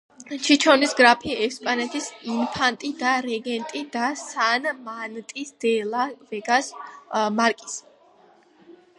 ჩიჩონის გრაფი, ესპანეთის ინფანტი და რეგენტი და სან მარტინ დე ლა ვეგას მარკიზი.